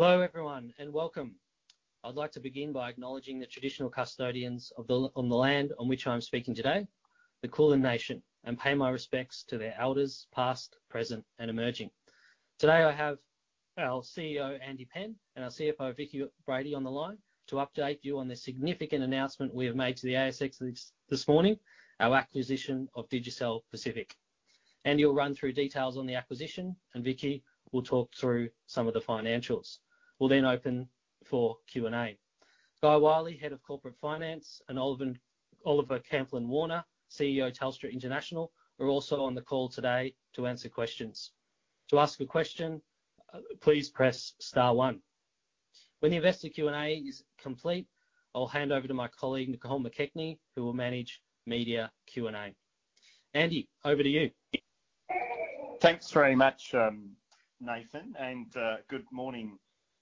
Hello, everyone, and welcome. I'd like to begin by acknowledging the traditional custodians of the land on which I'm speaking today, the Kulin Nation, and pay my respects to their elders, past, present, and emerging. Today, I have our CEO, Andy Penn, and our CFO, Vicki Brady, on the line to update you on the significant announcement we have made to the ASX this morning, our acquisition of Digicel Pacific. Andy will run through details on the acquisition, and Vicki will talk through some of the financials. We'll then open for Q&A. Guy Wylie, Head of Corporate Finance, and Oliver Camplin-Warner, CEO, Telstra International, are also on the call today to answer questions. To ask a question, please press star one. When the investor Q&A is complete, I'll hand over to my colleague, Nicole McKechnie, who will manage media Q&A. Andy, over to you. Thanks very much, Nathan, and good morning,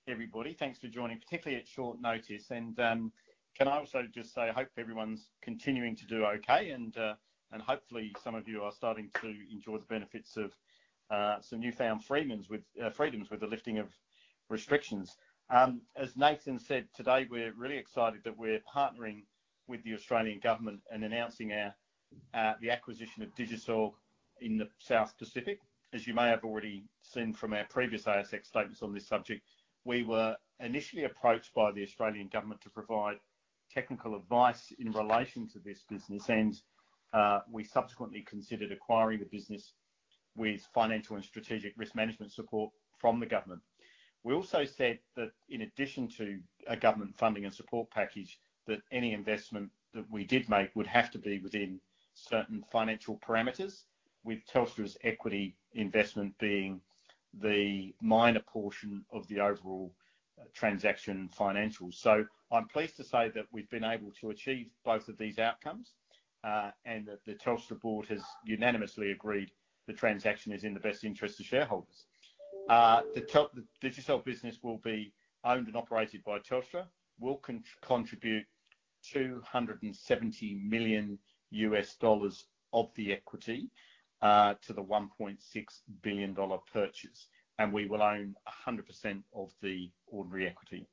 everybody. Thanks for joining, particularly at short notice. Can I also just say, I hope everyone's continuing to do okay, and hopefully some of you are starting to enjoy the benefits of some newfound freedoms with the lifting of restrictions. As Nathan said, today we're really excited that we're partnering with the Australian government and announcing our the acquisition of Digicel in the South Pacific. As you may have already seen from our previous ASX statements on this subject, we were initially approached by the Australian government to provide technical advice in relation to this business, and we subsequently considered acquiring the business with financial and strategic risk management support from the government. We also said that in addition to a government funding and support package, that any investment that we did make would have to be within certain financial parameters, with Telstra's equity investment being the minor portion of the overall, transaction financials. So I'm pleased to say that we've been able to achieve both of these outcomes, and that the Telstra board has unanimously agreed the transaction is in the best interest of shareholders. The Digicel business will be owned and operated by Telstra. We'll contribute $270 million of the equity, to the $1.6 billion purchase, and we will own 100% of the ordinary equity.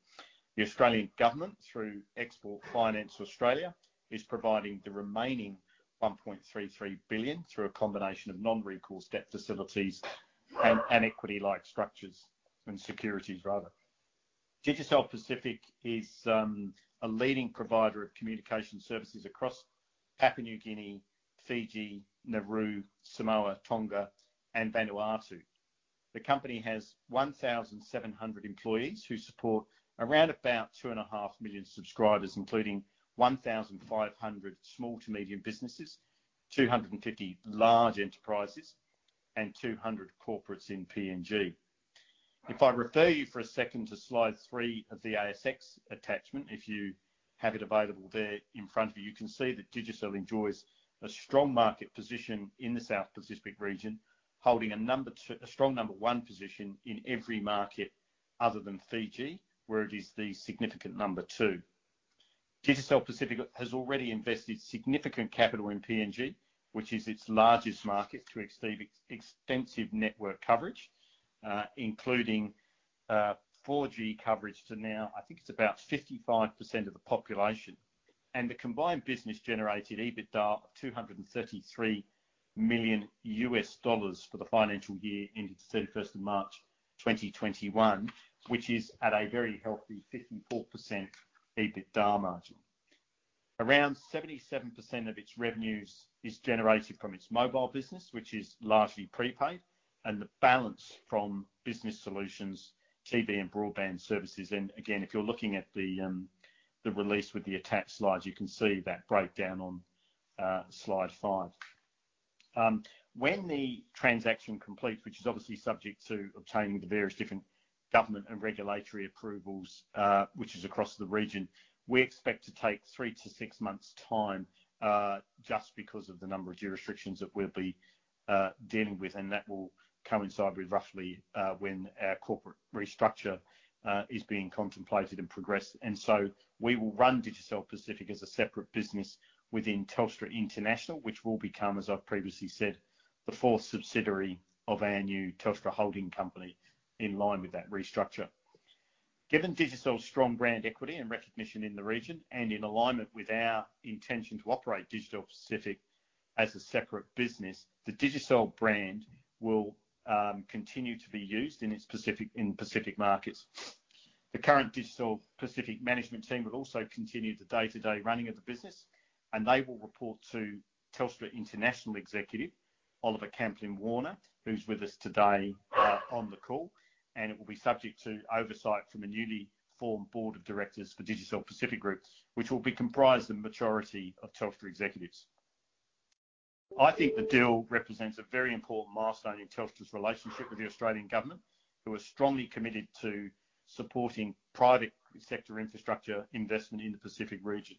The Australian government, through Export Finance Australia, is providing the remaining 1.33 billion through a combination of non-recourse debt facilities and, and equity-like structures and securities rather. Digicel Pacific is a leading provider of communication services across Papua New Guinea, Fiji, Nauru, Samoa, Tonga, and Vanuatu. The company has 1,700 employees who support around about 2.5 million subscribers, including 1,500 small to medium businesses, 250 large enterprises, and 200 corporates in PNG. If I refer you for a second to slide three of the ASX attachment, if you have it available there in front of you, you can see that Digicel enjoys a strong market position in the South Pacific region, holding a number two - a strong number one position in every market other than Fiji, where it is the significant number two. Digicel Pacific has already invested significant capital in PNG, which is its largest market, to achieve extensive network coverage, including 4G coverage to now, I think it's about 55% of the population. The combined business generated EBITDA of $233 million for the financial year ending thirty-first of March 2021, which is at a very healthy 54% EBITDA margin. Around 77% of its revenues is generated from its mobile business, which is largely prepaid, and the balance from business solutions, TV and broadband services. Again, if you're looking at the release with the attached slides, you can see that breakdown on slide five. When the transaction completes, which is obviously subject to obtaining the various different government and regulatory approvals, which is across the region, we expect to take 3-6 months' time, just because of the number of jurisdictions that we'll be dealing with, and that will coincide with roughly when our corporate restructure is being contemplated and progressed. And so we will run Digicel Pacific as a separate business within Telstra International, which will become, as I've previously said, the fourth subsidiary of our new Telstra holding company in line with that restructure. Given Digicel's strong brand equity and recognition in the region, and in alignment with our intention to operate Digicel Pacific as a separate business, the Digicel brand will continue to be used in its Pacific, in Pacific markets. The current Digicel Pacific management team will also continue the day-to-day running of the business, and they will report to Telstra International executive, Oliver Camplin-Warner, who's with us today, on the call, and it will be subject to oversight from a newly formed board of directors for Digicel Pacific Group, which will be comprised of the majority of Telstra executives. I think the deal represents a very important milestone in Telstra's relationship with the Australian government, who are strongly committed to supporting private sector infrastructure investment in the Pacific region.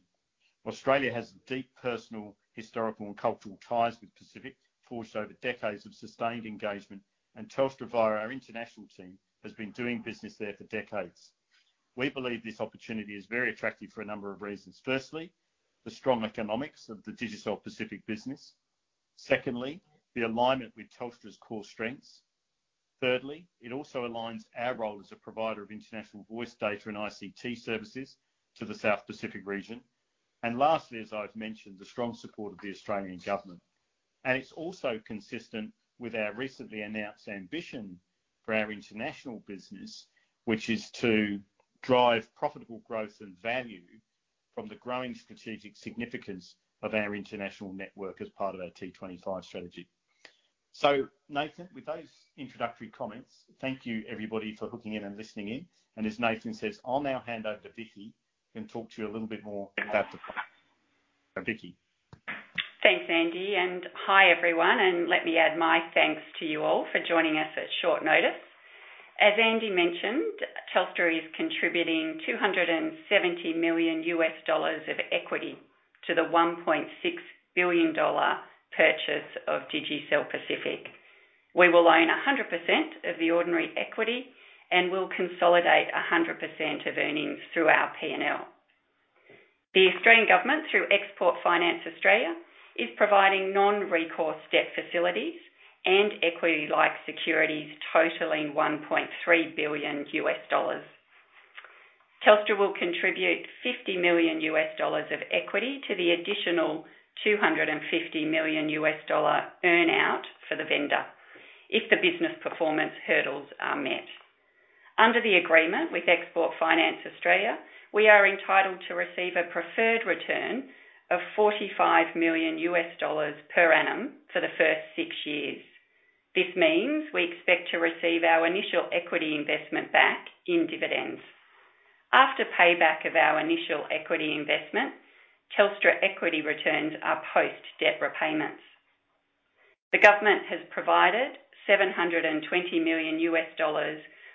Australia has deep personal, historical, and cultural ties with Pacific, forged over decades of sustained engagement, and Telstra, via our international team, has been doing business there for decades....We believe this opportunity is very attractive for a number of reasons. Firstly, the strong economics of the Digicel Pacific business. Secondly, the alignment with Telstra's core strengths. Thirdly, it also aligns our role as a provider of international voice data and ICT services to the South Pacific region. Lastly, as I've mentioned, the strong support of the Australian government. It's also consistent with our recently announced ambition for our international business, which is to drive profitable growth and value from the growing strategic significance of our international network as part of our T25 strategy. So, Nathan, with those introductory comments, thank you everybody for hooking in and listening in. As Nathan says, I'll now hand over to Vicki, and talk to you a little bit more about the--Vicki. Thanks, Andy, and hi, everyone, and let me add my thanks to you all for joining us at short notice. As Andy mentioned, Telstra is contributing $270 million of equity to the $1.6 billion purchase of Digicel Pacific. We will own 100% of the ordinary equity, and we'll consolidate 100% of earnings through our P&L. The Australian government, through Export Finance Australia, is providing non-recourse debt facilities and equity-like securities totaling $1.3 billion. Telstra will contribute $50 million of equity to the additional $250 million earn out for the vendor if the business performance hurdles are met. Under the agreement with Export Finance Australia, we are entitled to receive a preferred return of $45 million per annum for the first six years. This means we expect to receive our initial equity investment back in dividends. After payback of our initial equity investment, Telstra equity returns are post-debt repayments. The government has provided $720 million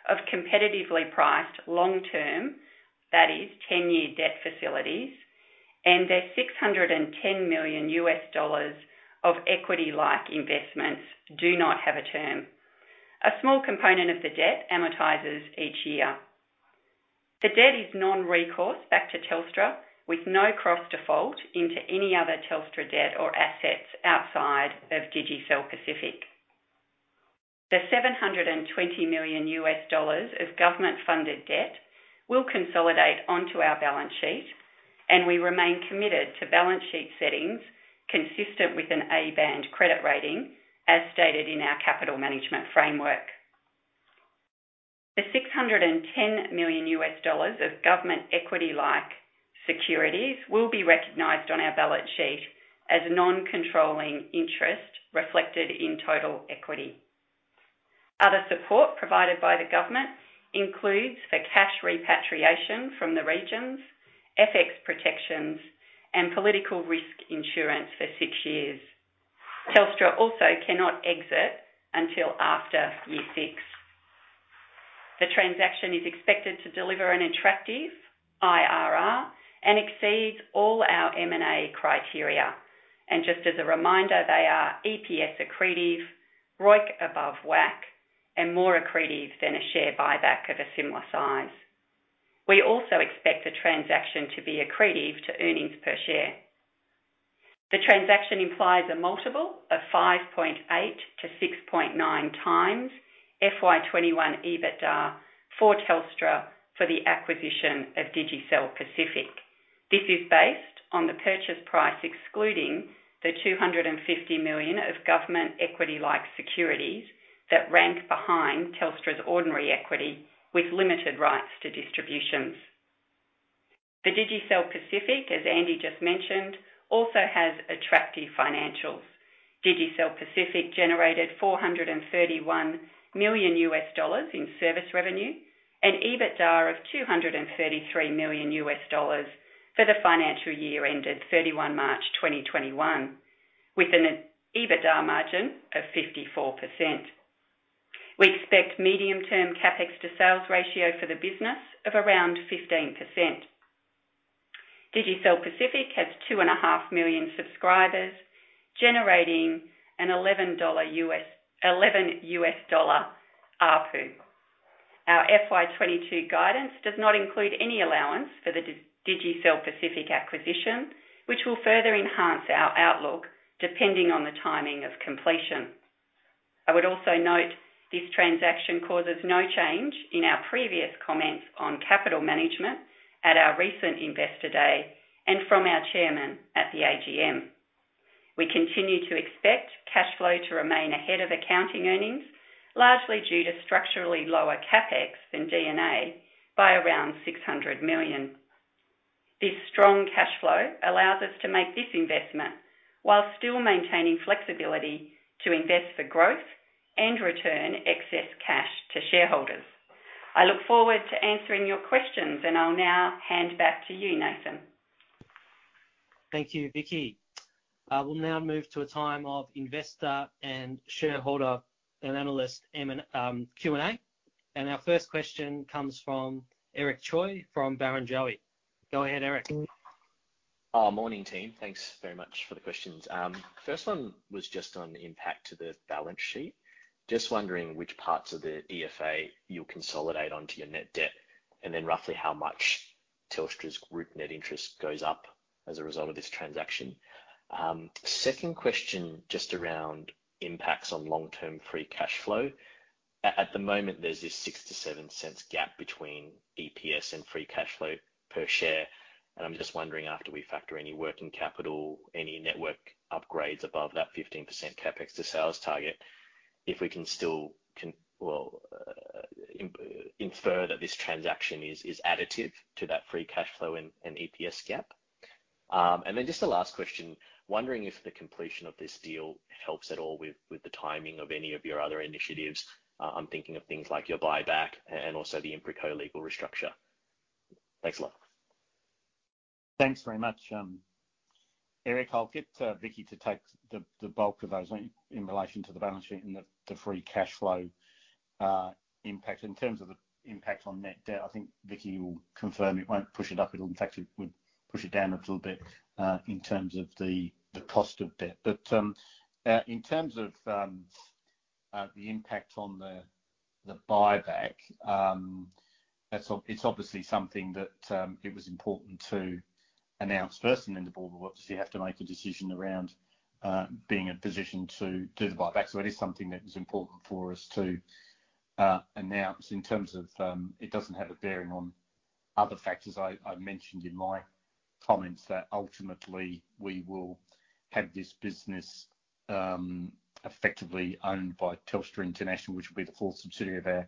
of competitively priced long-term, that is 10-year debt facilities, and their $610 million of equity-like investments do not have a term. A small component of the debt amortizes each year. The debt is non-recourse back to Telstra, with no cross-default into any other Telstra debt or assets outside of Digicel Pacific. The $720 million of government-funded debt will consolidate onto our balance sheet, and we remain committed to balance sheet settings consistent with an A-band credit rating, as stated in our capital management framework. The $610 million of government equity-like securities will be recognized on our balance sheet as non-controlling interest, reflected in total equity. Other support provided by the government includes the cash repatriation from the regions, FX protections, and political risk insurance for six years. Telstra also cannot exit until after year six. The transaction is expected to deliver an attractive IRR and exceeds all our M&A criteria. Just as a reminder, they are EPS accretive, ROIC above WACC, and more accretive than a share buyback of a similar size. We also expect the transaction to be accretive to earnings per share. The transaction implies a multiple of 5.8x-6.9x FY 2021 EBITDA for Telstra for the acquisition of Digicel Pacific. This is based on the purchase price, excluding the $250 million of government equity-like securities that rank behind Telstra's ordinary equity with limited rights to distributions. The Digicel Pacific, as Andy just mentioned, also has attractive financials. Digicel Pacific generated $431 million in service revenue and EBITDA of $233 million for the financial year ended 31 March 2021, with an EBITDA margin of 54%. We expect medium-term CapEx to sales ratio for the business of around 15%. Digicel Pacific has 2.5 million subscribers, generating an $11 ARPU. Our FY 2022 guidance does not include any allowance for the Digicel Pacific acquisition, which will further enhance our outlook, depending on the timing of completion. I would also note, this transaction causes no change in our previous comments on capital management at our recent Investor Day and from our chairman at the AGM. We continue to expect cash flow to remain ahead of accounting earnings, largely due to structurally lower CapEx than D&A by around 600 million. This strong cash flow allows us to make this investment while still maintaining flexibility to invest for growth and return excess cash to shareholders. I look forward to answering your questions, and I'll now hand back to you, Nathan. Thank you, Vicki. I will now move to a time of investor and shareholder and analyst M&A and Q&A. Our first question comes from Eric Choi from Barrenjoey. Go ahead, Eric.... Oh, morning, team. Thanks very much for the questions. First one was just on the impact to the balance sheet. Just wondering which parts of the EFA you'll consolidate onto your net debt, and then roughly how much Telstra's group net interest goes up as a result of this transaction. Second question, just around impacts on long-term free cash flow. At the moment, there's this 0.06-0.07 gap between EPS and free cash flow per share, and I'm just wondering, after we factor any working capital, any network upgrades above that 15% CapEx to sales target, if we can still conclude, well, infer that this transaction is additive to that free cash flow and EPS gap. And then just the last question: wondering if the completion of this deal helps at all with, with the timing of any of your other initiatives. I'm thinking of things like your buyback and also the InfraCo legal restructure. Thanks a lot. Thanks very much, Eric. I'll get Vicki to take the bulk of those in relation to the balance sheet and the free cash flow impact. In terms of the impact on net debt, I think Vicki will confirm it won't push it up. It'll in fact, it would push it down a little bit, in terms of the cost of debt. But, in terms of the impact on the buyback, that's obviously something that it was important to announce first and then the board, obviously, have to make a decision around being in a position to do the buyback. So it is something that was important for us to announce. In terms of... It doesn't have a bearing on other factors. I mentioned in my comments that ultimately we will have this business, effectively owned by Telstra International, which will be the full subsidiary of our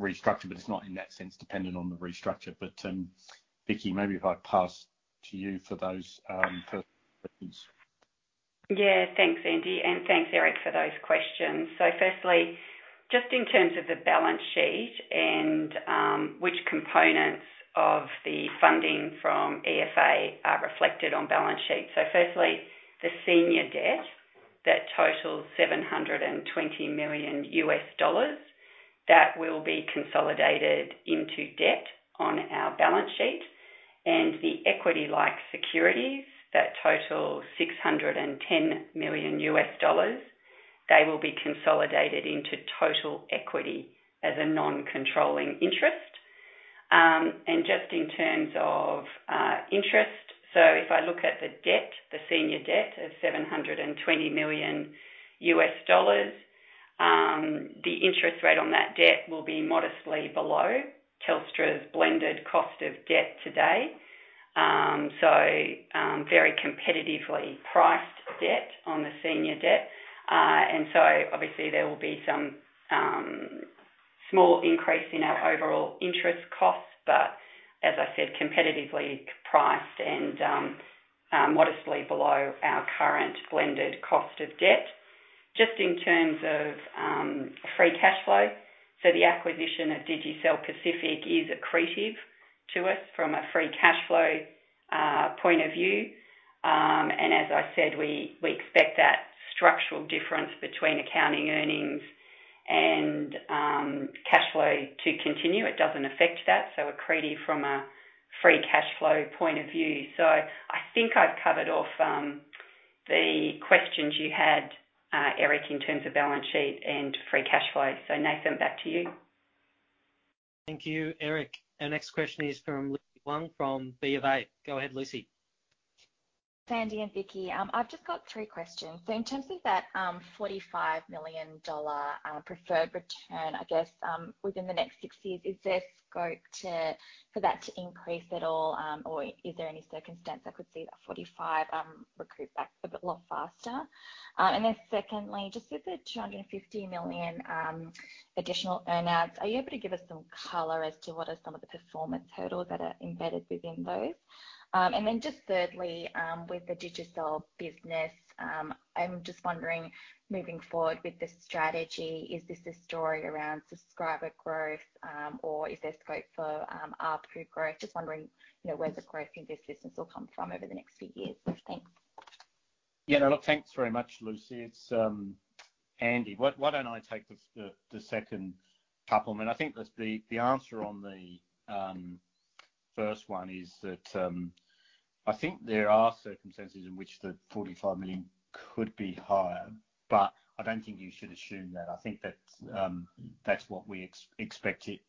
restructure, but it's not in that sense, dependent on the restructure. But, Vicki, maybe if I pass to you for those, first questions. Yeah. Thanks, Andy, and thanks, Eric, for those questions. So firstly, just in terms of the balance sheet and which components of the funding from EFA are reflected on balance sheet. So firstly, the senior debt, that totals $720 million, that will be consolidated into debt on our balance sheet. And the equity-like securities that total $610 million, they will be consolidated into total equity as a non-controlling interest. And just in terms of interest, so if I look at the debt, the senior debt of $720 million, the interest rate on that debt will be modestly below Telstra's blended cost of debt today. So very competitively priced debt on the senior debt. And so obviously there will be some small increase in our overall interest costs, but as I said, competitively priced and modestly below our current blended cost of debt. Just in terms of free cash flow, so the acquisition of Digicel Pacific is accretive to us from a free cash flow point of view. And as I said, we expect that structural difference between accounting earnings and cash flow to continue. It doesn't affect that, so accretive from a free cash flow point of view. So I think I've covered off the questions you had, Eric, in terms of balance sheet and free cash flow. So Nathan, back to you. Thank you, Eric. Our next question is from Lucy Yu from BofA. Go ahead, Lucy. Thanks, Andy and Vicki. I've just got 3 questions. So in terms of that $45 million preferred return, I guess, within the next 6 years, is there scope for that to increase at all? Or is there any circumstance I could see that 45 recoup back a bit a lot faster? And then secondly, just with the $250 million additional earn outs, are you able to give us some color as to what are some of the performance hurdles that are embedded within those? And then just thirdly, with the Digicel business, I'm just wondering, moving forward with this strategy, is this a story around subscriber growth, or is there scope for ARPU growth? Just wondering, you know, where the growth in this business will come from over the next few years. Thanks. Yeah, no, thanks very much, Lucy. It's Andy. Why don't I take the second couple? And I think the answer on the first one is that I think there are circumstances in which the 45 million could be higher, but I don't think you should assume that. I think that's what we expect it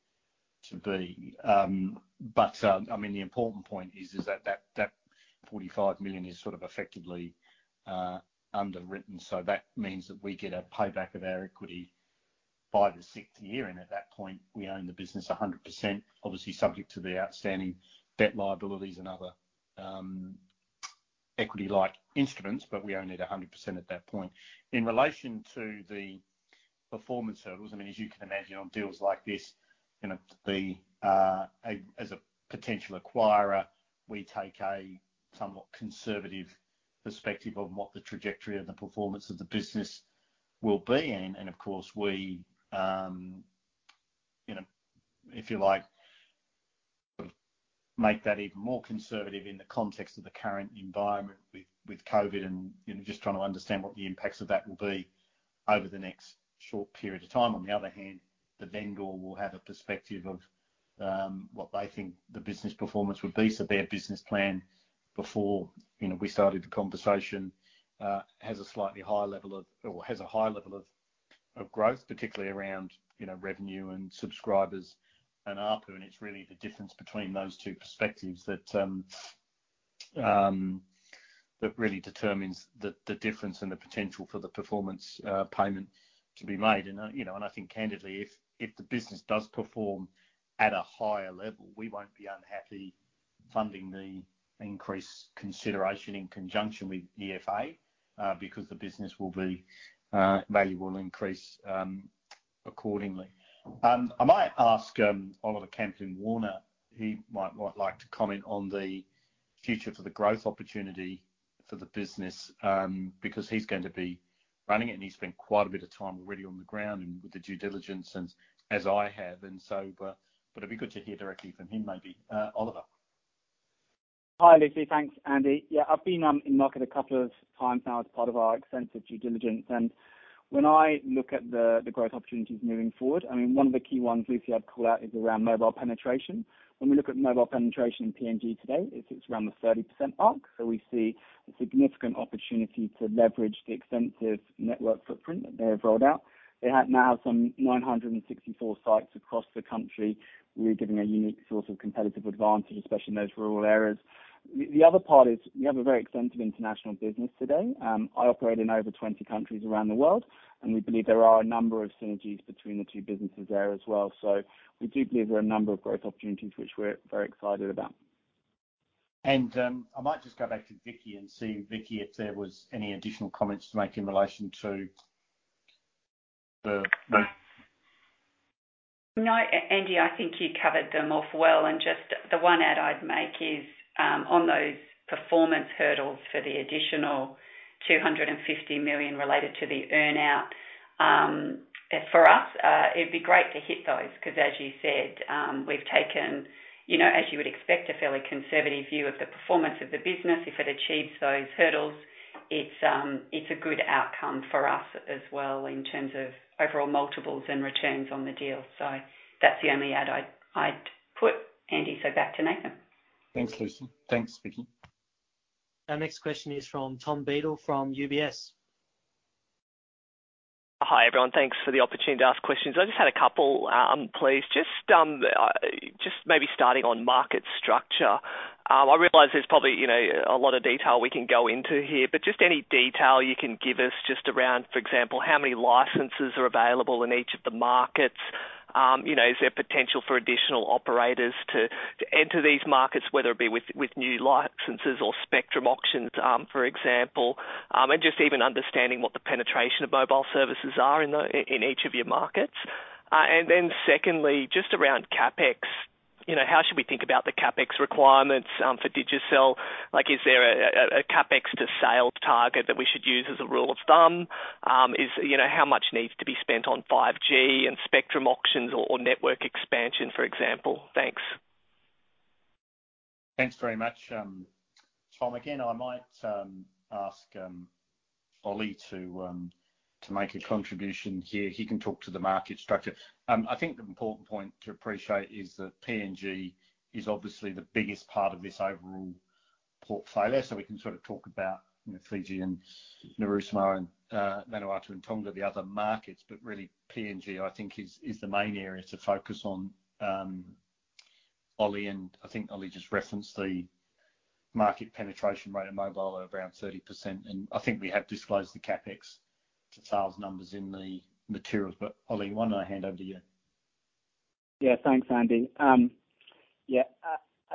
to be. But I mean, the important point is that that 45 million is sort of effectively underwritten. So that means that we get a payback of our equity by the sixth year, and at that point, we own the business 100%, obviously, subject to the outstanding debt liabilities and other equity-like instruments, but we own it 100% at that point. In relation to the performance hurdles, I mean, as you can imagine, on deals like this, you know, as a potential acquirer, we take a somewhat conservative perspective on what the trajectory of the performance of the business will be. And of course, we, you know, if you like, make that even more conservative in the context of the current environment with COVID and, you know, just trying to understand what the impacts of that will be over the next short period of time. On the other hand, the vendor will have a perspective of what they think the business performance would be. So their business plan before, you know, we started the conversation, has a slightly higher level of—or has a high level of growth, particularly around, you know, revenue and subscribers and ARPU, and it's really the difference between those two perspectives that really determines the difference and the potential for the performance payment to be made. And, you know, and I think candidly, if the business does perform at a higher level, we won't be unhappy funding the increased consideration in conjunction with EFA, because the business will be, value will increase accordingly. I might ask Oliver Camplin-Warner. He might like to comment on the future for the growth opportunity for the business, because he's going to be running it, and he's spent quite a bit of time already on the ground and with the due diligence, as I have. But it'd be good to hear directly from him, maybe. Oliver? Hi, Lucy. Thanks, Andy. Yeah, I've been in market a couple of times now as part of our extensive due diligence, and when I look at the growth opportunities moving forward, I mean, one of the key ones, Lucy, I'd call out, is around mobile penetration. When we look at mobile penetration in PNG today, it's around the 30% mark, so we see a significant opportunity to leverage the extensive network footprint that they have rolled out. They have now some 964 sites across the country. We're giving a unique source of competitive advantage, especially in those rural areas. The other part is we have a very extensive international business today. I operate in over 20 countries around the world, and we believe there are a number of synergies between the two businesses there as well. We do believe there are a number of growth opportunities, which we're very excited about. I might just go back to Vicki and see, Vicki, if there was any additional comments to make in relation to the- No, Andy, I think you covered them off well, and just the one add I'd make is, on those performance hurdles for the additional 250 million related to the earn-out, for us, it'd be great to hit those, 'cause as you said, we've taken, you know, as you would expect, a fairly conservative view of the performance of the business. If it achieves those hurdles, it's, it's a good outcome for us as well, in terms of overall multiples and returns on the deal. So that's the only add I'd put, Andy. So back to Nathan. Thanks, Lucy. Thanks, Vicki. Our next question is from Tom Beadle, from UBS. Hi, everyone. Thanks for the opportunity to ask questions. I just had a couple, please. Just maybe starting on market structure. I realize there's probably, you know, a lot of detail we can go into here, but just any detail you can give us just around, for example, how many licenses are available in each of the markets? You know, is there potential for additional operators to enter these markets, whether it be with new licenses or spectrum auctions, for example? And just even understanding what the penetration of mobile services are in each of your markets. And then secondly, just around CapEx, you know, how should we think about the CapEx requirements for Digicel? Like, is there a CapEx to sales target that we should use as a rule of thumb? You know, how much needs to be spent on 5G and spectrum auctions or network expansion, for example? Thanks. Thanks very much, Tom. Again, I might ask Ollie to make a contribution here. He can talk to the market structure. I think the important point to appreciate is that PNG is obviously the biggest part of this overall portfolio, so we can sort of talk about, you know, Fiji and Nauru, Samoa, and Vanuatu, and Tonga, the other markets, but really, PNG, I think, is the main area to focus on. Ollie, and I think Ollie just referenced the market penetration rate in mobile at around 30%, and I think we have disclosed the CapEx to sales numbers in the materials. But Ollie, why don't I hand over to you? Yeah, thanks, Andy. Yeah,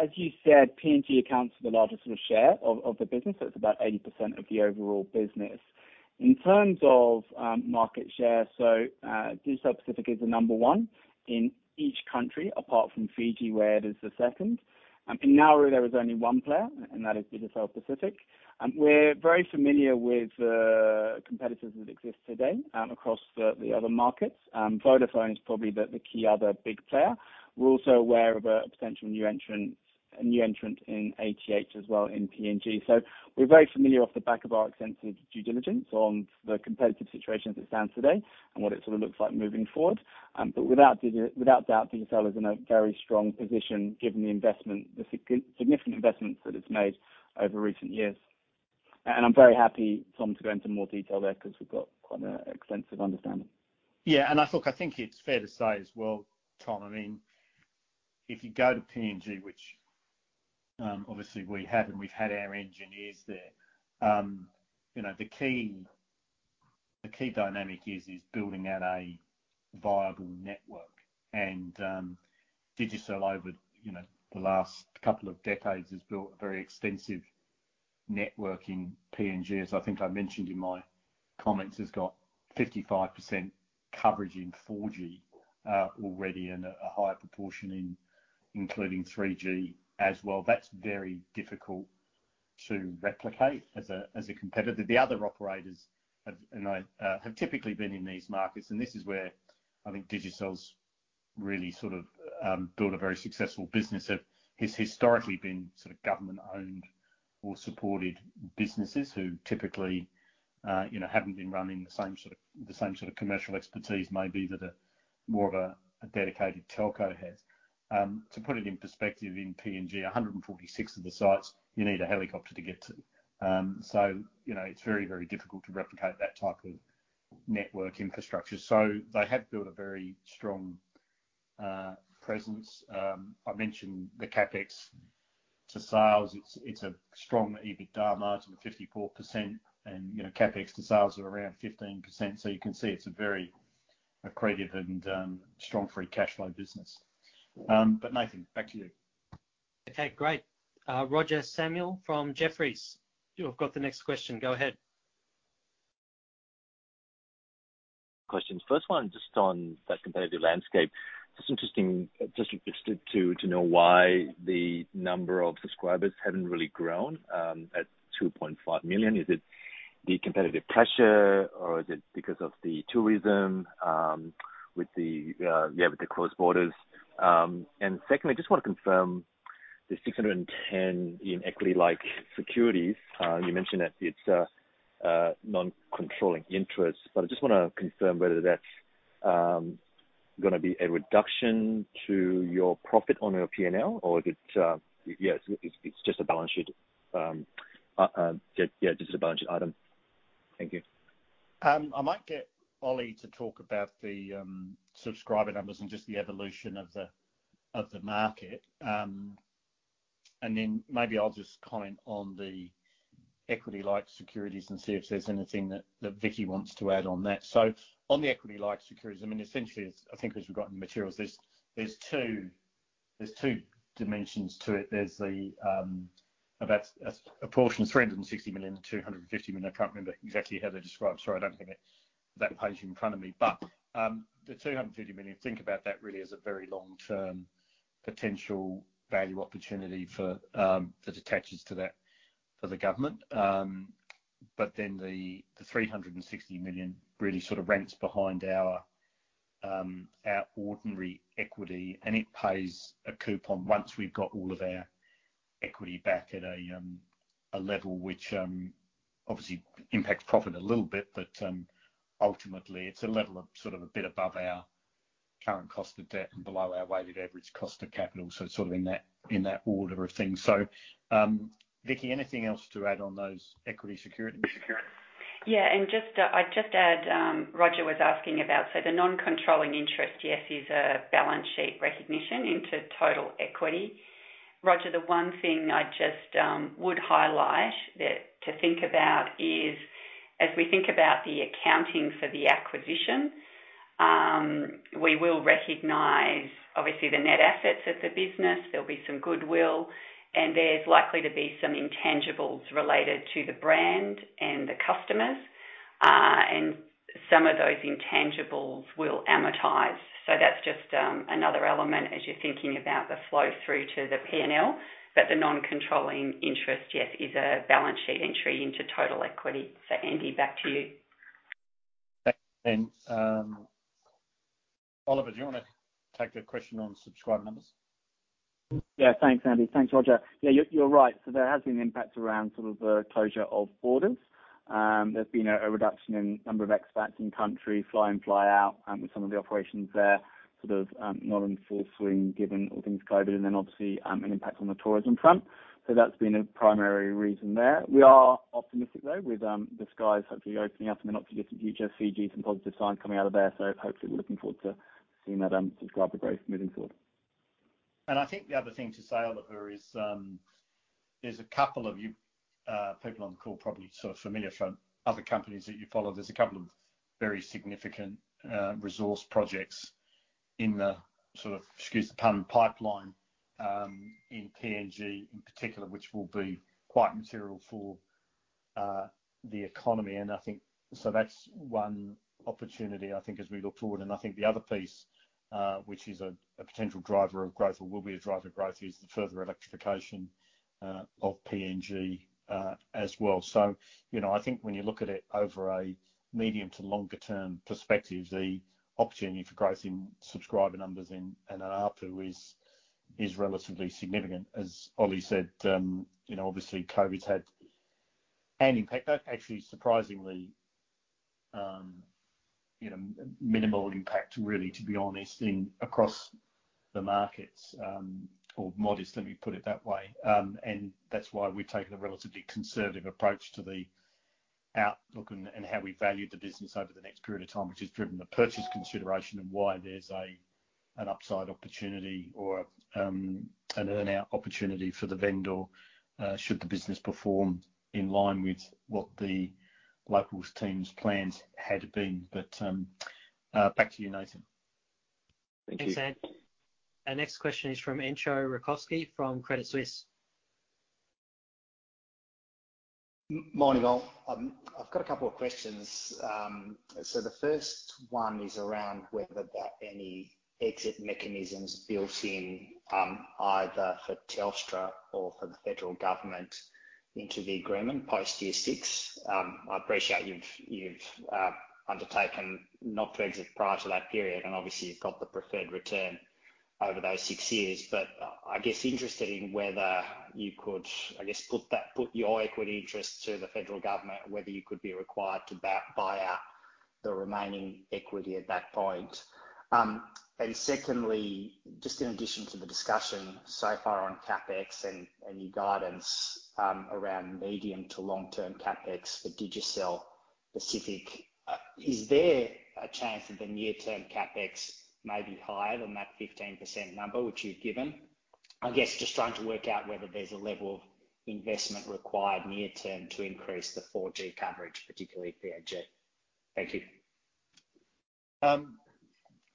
as you said, PNG accounts for the largest sort of share of the business. So it's about 80% of the overall business. In terms of market share, so Digicel Pacific is the number one in each country, apart from Fiji, where it is the second. In Nauru, there is only one player, and that is Digicel Pacific. And we're very familiar with the competitors that exist today across the other markets. Vodafone is probably the key other big player. We're also aware of a potential new entrant, a new entrant in ATH as well, in PNG. So we're very familiar off the back of our extensive due diligence on the competitive situation as it stands today and what it sort of looks like moving forward. Without a doubt, Digicel is in a very strong position given the investment, the significant investments that it's made over recent years. I'm very happy, Tom, to go into more detail there because we've got quite an extensive understanding. Yeah, and I look, I think it's fair to say as well, Tom, I mean, if you go to PNG, which, obviously we have, and we've had our engineers there, you know, the key, the key dynamic is, is building out a viable network. And, Digicel over, you know, the last couple of decades has built a very extensive network in PNG, as I think I mentioned in my comments, it's got 55% coverage in 4G, already, and a, a higher proportion in including 3G as well. That's very difficult to replicate as a, as a competitor. The other operators have, and I, have typically been in these markets, and this is where I think Digicel's really sort of, built a very successful business, have historically been sort of government-owned.... or supported businesses who typically, you know, haven't been running the same sort of, the same sort of commercial expertise maybe that a more of a, a dedicated telco has. To put it in perspective, in PNG, 146 of the sites, you need a helicopter to get to. So, you know, it's very, very difficult to replicate that type of network infrastructure. So they have built a very strong presence. I mentioned the CapEx to sales. It's, it's a strong EBITDA margin of 54% and, you know, CapEx to sales are around 15%, so you can see it's a very accretive and, strong free cash flow business. But Nathan, back to you. Okay, great. Roger Samuel from Jefferies, you've got the next question. Go ahead. Questions. First one, just on that competitive landscape. Just interested to know why the number of subscribers haven't really grown at 2.5 million. Is it the competitive pressure, or is it because of the tourism with the closed borders? And secondly, I just want to confirm the 610 in equity-like securities. You mentioned that it's a non-controlling interest, but I just wanna confirm whether that's gonna be a reduction to your profit on your P&L, or if it's just a balance sheet item. Thank you. I might get Ollie to talk about the subscriber numbers and just the evolution of the market. And then maybe I'll just comment on the equity-like securities and see if there's anything that Vicky wants to add on that. So on the equity-like securities, I mean, essentially, I think as we've got in the materials, there's two dimensions to it. There's the about a portion of 360 million, 250 million. I can't remember exactly how they're described. Sorry, I don't have that page in front of me. But the 250 million, think about that really as a very long-term potential value opportunity for that attaches to that for the government. But then the 360 million really sort of ranks behind our ordinary equity, and it pays a coupon once we've got all of our equity back at a level which obviously impacts profit a little bit. But ultimately, it's a level of sort of a bit above our current cost of debt and below our weighted average cost of capital. So sort of in that order of things. So, Vicki, anything else to add on those equity securities? Yeah, and just, I'd just add, Roger was asking about, so the non-controlling interest, yes, is a balance sheet recognition into total equity. Roger, the one thing I just would highlight that to think about is, as we think about the accounting for the acquisition, we will recognize obviously the net assets of the business. There'll be some goodwill, and there's likely to be some intangibles related to the brand and the customers, and some of those intangibles will amortize. So that's just another element as you're thinking about the flow through to the P&L. But the non-controlling interest, yes, is a balance sheet entry into total equity. So Andy, back to you. Thanks, then, Oliver, do you want to take the question on subscriber numbers? Yeah. Thanks, Andy. Thanks, Roger. Yeah, you're right. So there has been impacts around sort of the closure of borders. There's been a reduction in number of expats in country, fly-in, fly-out, with some of the operations there, sort of, not in full swing given all things COVID, and then obviously, an impact on the tourism front. So that's been a primary reason there. We are optimistic, though, with the skies hopefully opening up in the not-too-distant future, Fiji, some positive signs coming out of there. So hopefully, we're looking forward to seeing that subscriber growth moving forward. And I think the other thing to say, Oliver, is, there's a couple of you people on the call probably sort of familiar from other companies that you follow. There's a couple of very significant resource projects in the sort of, excuse the pun, pipeline in PNG in particular, which will be quite material for the economy. And I think so that's one opportunity, I think, as we look forward. And I think the other piece, which is a potential driver of growth or will be a driver of growth, is the further electrification of PNG as well. So, you know, I think when you look at it over a medium to longer term perspective, the opportunity for growth in subscriber numbers and ARPU is relatively significant. As Ollie said, you know, obviously COVID's had an impact. Actually surprisingly, you know, minimal impact really, to be honest, in across the markets, or modest, let me put it that way. And that's why we've taken a relatively conservative approach to the outlook and, and how we value the business over the next period of time, which has driven the purchase consideration and why there's a, an upside opportunity or, an earn-out opportunity for the vendor, should the business perform in line with what the locals team's plans had been. But back to you, Nathan. Thank you. Thanks, Andy. Our next question is from Entcho Raykovski, from Credit Suisse. Morning, all. I've got a couple of questions. So the first one is around whether there are any exit mechanisms built in, either for Telstra or for the federal government into the agreement post-year six. I appreciate you've undertaken not to exit prior to that period, and obviously you've got the preferred return over those six years. But I guess interested in whether you could put your equity interest to the federal government, whether you could be required to buy out the remaining equity at that point. And secondly, just in addition to the discussion so far on CapEx and your guidance around medium- to long-term CapEx for Digicel Pacific, is there a chance that the near-term CapEx may be higher than that 15% number which you've given? I guess just trying to work out whether there's a level of investment required near-term to increase the 4G coverage, particularly PNG? Thank you.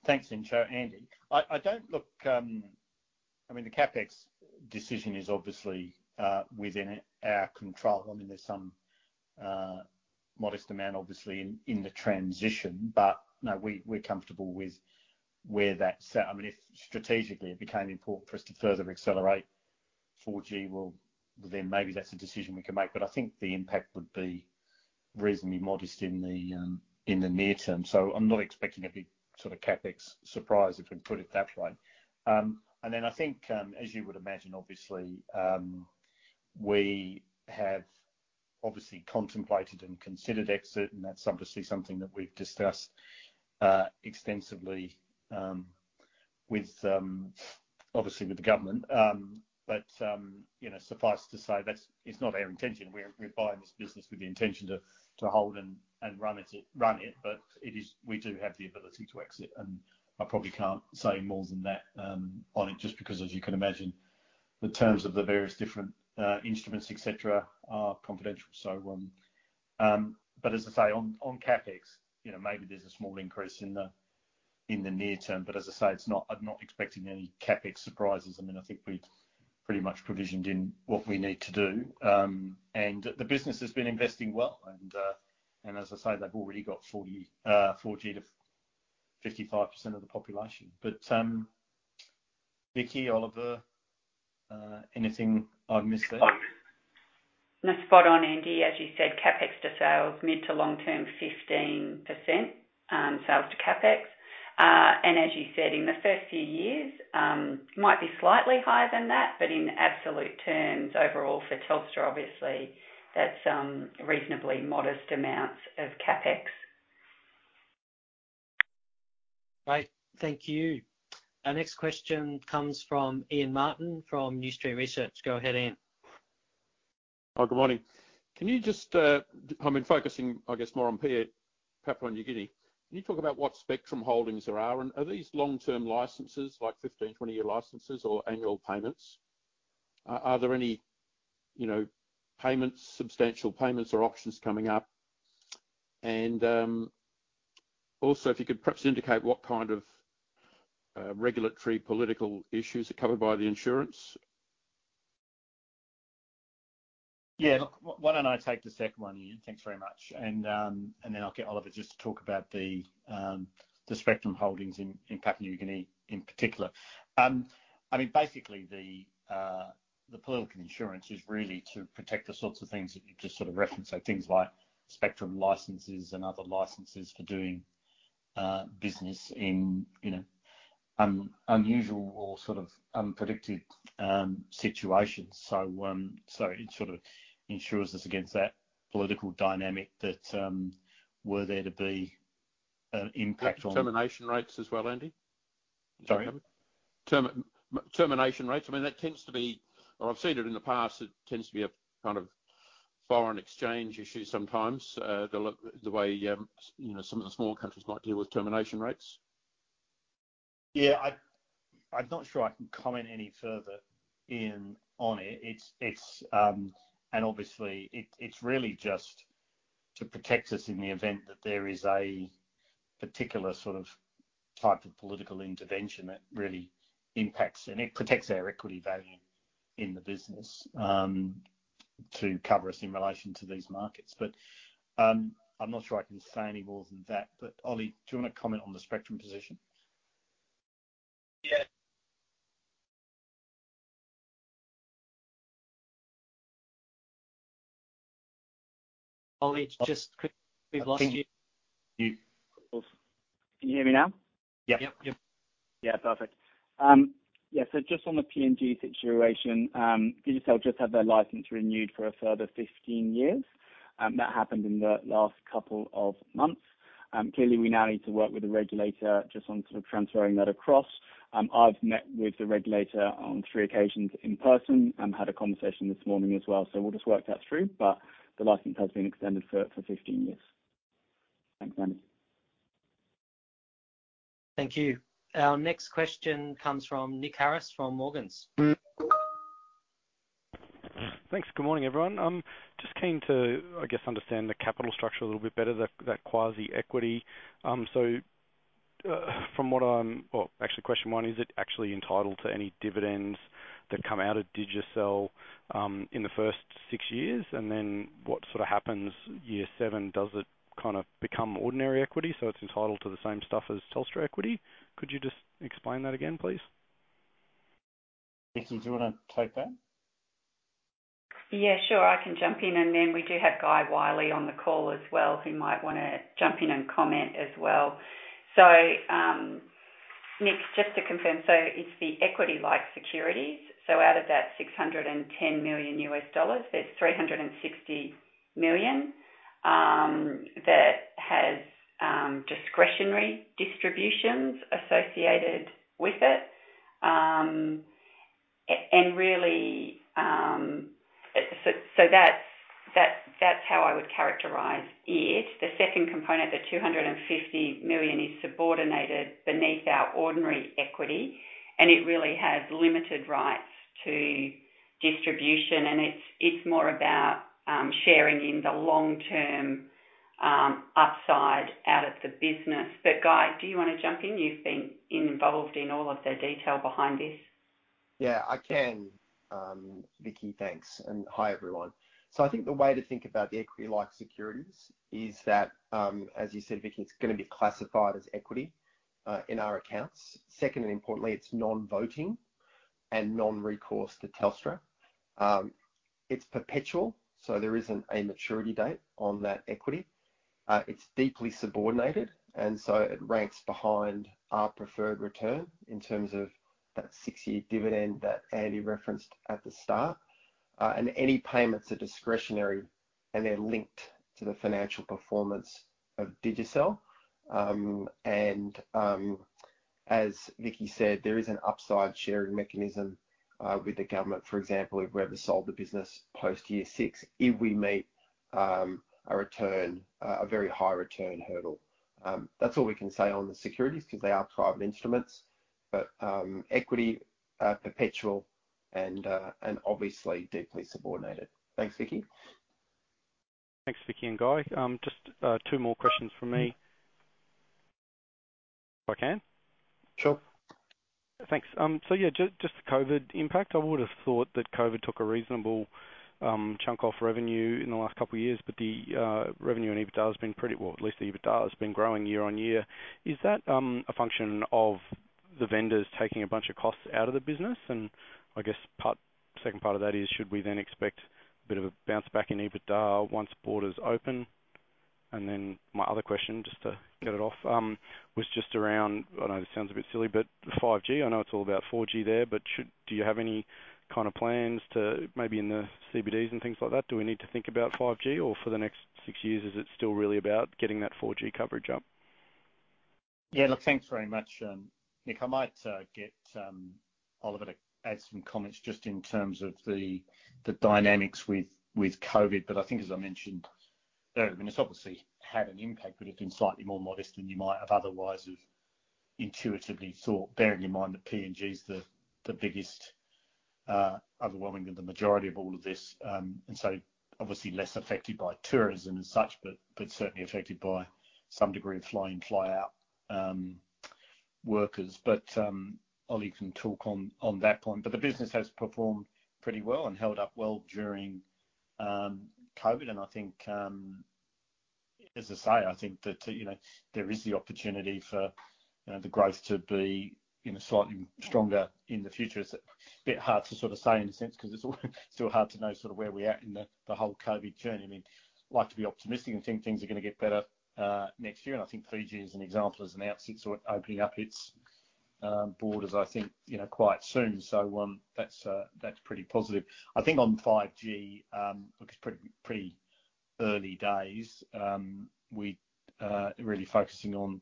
Thanks, Andrew. Andy, I don't... Look, I mean, the CapEx decision is obviously within our control. I mean, there's some modest amount obviously in the transition, but no, we're comfortable with where that sat. I mean, if strategically it became important for us to further accelerate 4G, well, then maybe that's a decision we can make. But I think the impact would be reasonably modest in the near term. So I'm not expecting a big sort of CapEx surprise, if we can put it that way. And then I think, as you would imagine, obviously we have obviously contemplated and considered exit, and that's obviously something that we've discussed extensively with obviously with the government. But you know, suffice to say, that's, it's not our intention. We're buying this business with the intention to hold and run it, but it is we do have the ability to exit. I probably can't say more than that on it, just because as you can imagine, the terms of the various different instruments, et cetera, are confidential. So, but as I say, on CapEx, you know, maybe there's a small increase in the near term, but as I say, it's not—I'm not expecting any CapEx surprises. I mean, I think we've pretty much provisioned in what we need to do. And the business has been investing well, and as I say, they've already got 40 4G to 55% of the population. But, Vicki, Oliver, anything I've missed there? No, spot on, Andy. As you said, CapEx to sales, mid- to long-term, 15%, sales to CapEx. And as you said, in the first few years, might be slightly higher than that, but in absolute terms, overall for Telstra, obviously, that's reasonably modest amounts of CapEx. Great. Thank you. Our next question comes from Ian Martin from New Street Research. Go ahead, Ian. Oh, good morning. Can you just, I mean, focusing, I guess, more on PNG, Papua New Guinea, can you talk about what spectrum holdings there are? And are these long-term licenses, like 15, 20-year licenses or annual payments? Are there any, you know, payments, substantial payments or options coming up? And also, if you could perhaps indicate what kind of regulatory political issues are covered by the insurance? Yeah. Look, why don't I take the second one, Ian? Thanks very much. And, and then I'll get Oliver just to talk about the, the spectrum holdings in, in Papua New Guinea in particular. I mean, basically, the, the political insurance is really to protect the sorts of things that you just sort of referenced. So things like spectrum licenses and other licenses for doing, business in, you know, unusual or sort of unpredicted, situations. So, so it sort of insures us against that political dynamic that, were there to be an impact on- Termination rates as well, Andy? Sorry? Termination rates. I mean, that tends to be... Well, I've seen it in the past, it tends to be a kind of foreign exchange issue sometimes, the way, you know, some of the smaller countries might deal with termination rates. Yeah, I'm not sure I can comment any further on it. It's. And obviously, it's really just to protect us in the event that there is a particular sort of type of political intervention that really impacts, and it protects our equity value in the business, to cover us in relation to these markets. But, I'm not sure I can say any more than that, but, Ollie, do you want to comment on the spectrum position? Yeah. Ollie, just quick, we've lost you. Can you hear me now? Yeah. Yep. Yeah, perfect. Yeah, so just on the PNG situation, Digicel just had their license renewed for a further 15 years, that happened in the last couple of months. Clearly, we now need to work with the regulator just on sort of transferring that across. I've met with the regulator on three occasions in person and had a conversation this morning as well, so we'll just work that through. But the license has been extended for 15 years. Thanks, Andy. Thank you. Our next question comes from Nick Harris from Morgans. Thanks. Good morning, everyone. I'm just keen to, I guess, understand the capital structure a little bit better, the, that quasi equity. So, from what I'm... Well, actually, question one, is it actually entitled to any dividends that come out of Digicel in the first six years? And then what sort of happens year seven, does it kind of become ordinary equity, so it's entitled to the same stuff as Telstra equity? Could you just explain that again, please? Vicki, do you want to take that?... Yeah, sure, I can jump in, and then we do have Guy Wylie on the call as well, who might wanna jump in and comment as well. So, Nick, just to confirm, so it's the equity-like securities. So out of that $610 million, there's $360 million that has discretionary distributions associated with it. And really, so that's how I would characterize it. The second component, the $250 million, is subordinated beneath our ordinary equity, and it really has limited rights to distribution, and it's more about sharing in the long-term upside out of the business. But Guy, do you wanna jump in? You've been involved in all of the detail behind this. Yeah, I can. Vicki, thanks, and hi, everyone. So I think the way to think about the equity-like securities is that, as you said, Vicki, it's gonna be classified as equity, in our accounts. Second, and importantly, it's non-voting and non-recourse to Telstra. It's perpetual, so there isn't a maturity date on that equity. It's deeply subordinated, and so it ranks behind our preferred return in terms of that 6-year dividend that Andy referenced at the start. And any payments are discretionary, and they're linked to the financial performance of Digicel. And, as Vicki said, there is an upside sharing mechanism, with the government. For example, if we ever sold the business post-year six, if we meet, a return, a very high return hurdle. That's all we can say on the securities because they are private instruments, but equity, perpetual and, and obviously deeply subordinated. Thanks, Vicki. Thanks, Vicki and Guy. Just two more questions from me, if I can? Sure. Thanks. So yeah, just the COVID impact, I would've thought that COVID took a reasonable chunk off revenue in the last couple of years, but the revenue and EBITDA has been pretty... Well, at least the EBITDA has been growing year-on-year. Is that a function of the vendors taking a bunch of costs out of the business? And I guess, second part of that is, should we then expect a bit of a bounce back in EBITDA once borders open? And then my other question, just to get it off, was just around, I know this sounds a bit silly, but 5G, I know it's all about 4G there, but should you have any kind of plans to maybe in the CBDs and things like that? Do we need to think about 5G, or for the next six years, is it still really about getting that 4G coverage up? Yeah, look, thanks very much, Nick. I might get Oliver to add some comments just in terms of the dynamics with COVID, but I think as I mentioned earlier, I mean, it's obviously had an impact, but it's been slightly more modest than you might have otherwise have intuitively thought, bearing in mind that PNG's the biggest, overwhelmingly the majority of all of this, and so obviously less affected by tourism and such, but certainly affected by some degree of fly-in, fly-out workers. But Ollie can talk on that point. But the business has performed pretty well and held up well during COVID, and I think, as I say, I think that, you know, there is the opportunity for, you know, the growth to be, you know, slightly stronger in the future. It's a bit hard to sort of say in a sense, 'cause it's all still hard to know sort of where we're at in the whole COVID journey. I mean, like to be optimistic and think things are gonna get better next year, and I think Fiji is an example, as an outset, sort of opening up its borders, I think, you know, quite soon. So, that's pretty positive. I think on 5G, look, it's pretty early days. We're really focusing on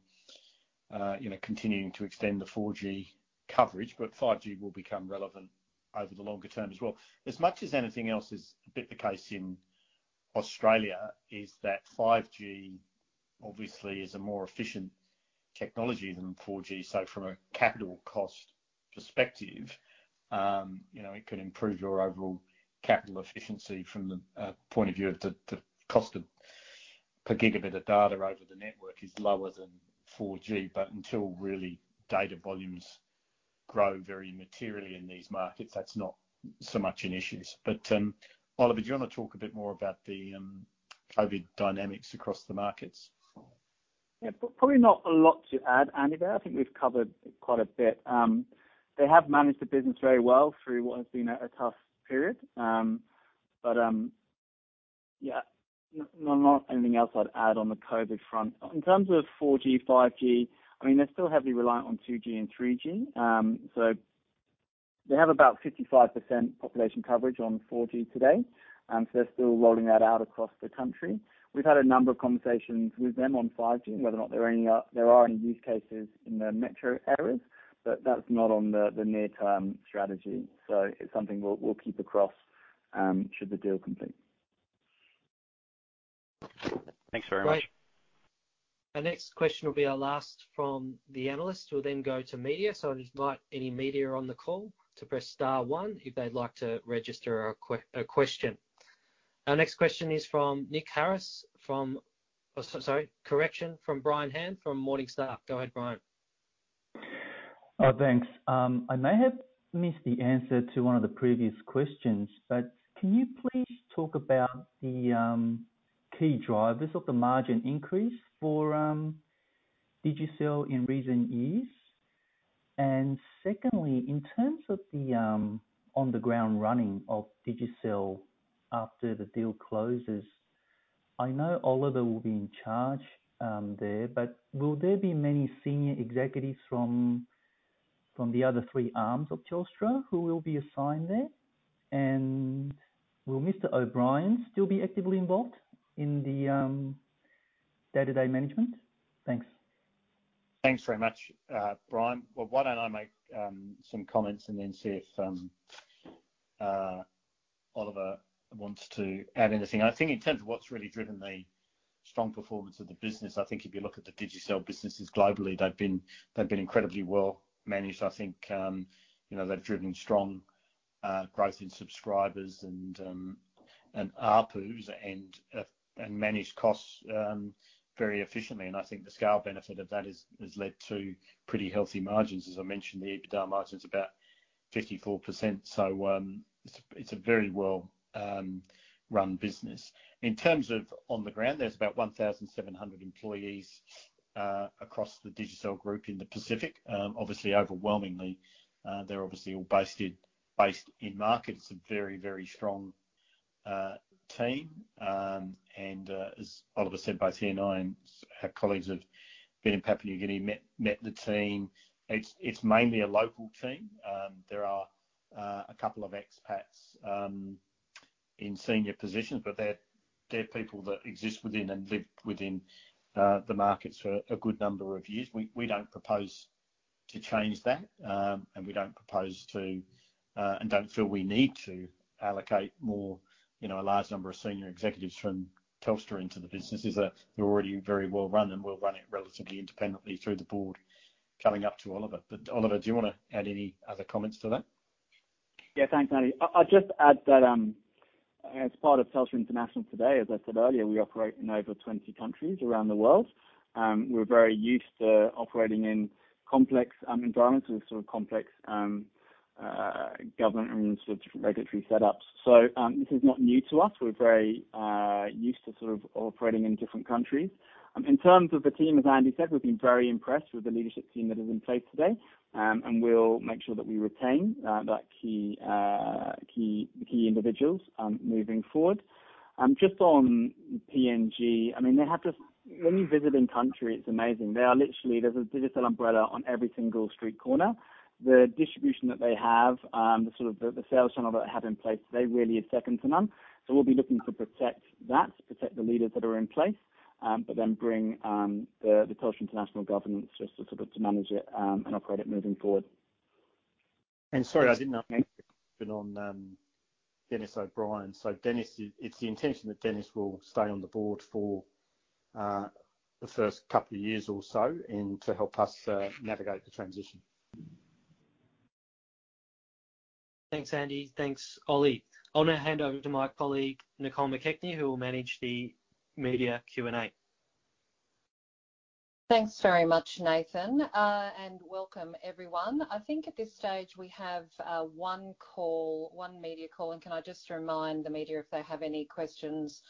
you know, continuing to extend the 4G coverage, but 5G will become relevant over the longer term as well. As much as anything else is a bit the case in Australia, is that 5G obviously is a more efficient technology than 4G. So from a capital cost perspective, you know, it could improve your overall capital efficiency from the point of view of the cost per gigabit of data over the network is lower than 4G, but until really data volumes grow very materially in these markets, that's not so much an issue. But, Oliver, do you want to talk a bit more about the COVID dynamics across the markets? Yeah, probably not a lot to add, Andy. I think we've covered quite a bit. They have managed the business very well through what has been a tough period. But, yeah, not anything else I'd add on the COVID front. In terms of 4G, 5G, I mean, they're still heavily reliant on 2G and 3G. So they have about 55% population coverage on 4G today, so they're still rolling that out across the country. We've had a number of conversations with them on 5G and whether or not there are any use cases in the metro areas, but that's not on the near-term strategy, so it's something we'll keep across, should the deal complete. Thanks very much. Great. Our next question will be our last from the analysts. We'll then go to media. So I'd just like any media on the call to press star one if they'd like to register a question. Our next question is from Nick Harris, from... Oh, sorry, correction, from Brian Han, from Morningstar. Go ahead, Brian. Thanks. I may have missed the answer to one of the previous questions, but can you please talk about the key drivers of the margin increase for Digicel in recent years? And secondly, in terms of the on the ground running of Digicel after the deal closes, I know Oliver will be in charge there, but will there be many senior executives from, from the other three arms of Telstra who will be assigned there? And will Mr. O'Brien still be actively involved in the day-to-day management? Thanks. Thanks very much, Brian. Well, why don't I make some comments and then see if Oliver wants to add anything. I think in terms of what's really driven the strong performance of the business, I think if you look at the Digicel businesses globally, they've been incredibly well managed. I think, you know, they've driven strong growth in subscribers and and ARPUs and and managed costs very efficiently. And I think the scale benefit of that is, has led to pretty healthy margins. As I mentioned, the EBITDA margin is about 54%, so, it's, it's a very well, run business. In terms of on the ground, there's about 1,700 employees across the Digicel Group in the Pacific. Obviously, overwhelmingly, they're obviously all based in market. It's a very, very strong team. And as Oliver said, both he and I and our colleagues have been in Papua New Guinea, met the team. It's mainly a local team. There are a couple of expats in senior positions, but they're people that exist within and lived within the markets for a good number of years. We don't propose to change that, and we don't propose to and don't feel we need to allocate more, you know, a large number of senior executives from Telstra into the businesses, that they're already very well run, and we'll run it relatively independently through the board, coming up to Oliver. But Oliver, do you want to add any other comments to that? Yeah, thanks, Andy. I'll just add that, as part of Telstra International today, as I said earlier, we operate in over 20 countries around the world. We're very used to operating in complex environments with sort of complex government and sort of regulatory setups. So, this is not new to us. We're very used to sort of operating in different countries. In terms of the team, as Andy said, we've been very impressed with the leadership team that is in place today. And we'll make sure that we retain that key individuals moving forward. Just on PNG, I mean, they have just... When you visit in country, it's amazing. They are literally, there's a Digicel umbrella on every single street corner. The distribution that they have, the sort of sales channel that they have in place, they really are second to none. So we'll be looking to protect that, protect the leaders that are in place, but then bring the Telstra International governance just to sort of manage it, and operate it moving forward. And sorry, I didn't know... But on Denis O'Brien. So it's the intention that Denis will stay on the board for the first couple of years or so, and to help us navigate the transition. Thanks, Andy. Thanks, Ollie. I'll now hand over to my colleague, Nicole McKechnie, who will manage the media Q&A. Thanks very much, Nathan, and welcome, everyone. I think at this stage, we have one call, one media call. Can I just remind the media, if they have any questions